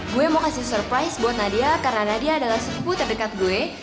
gue mau kasih surprise buat nadia karena nadia adalah suku terdekat gue